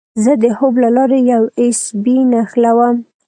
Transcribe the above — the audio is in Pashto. زه د هب له لارې یو ایس بي نښلوم.